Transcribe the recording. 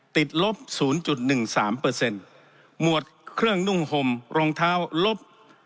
ลบ๐๑๓หมวดเครื่องนุ่งห่มรองเท้าลบ